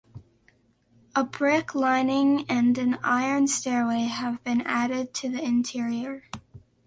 A brick lining and an iron stairway have been added to the interior.